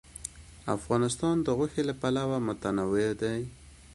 افغانستان د غوښې له پلوه متنوع دی.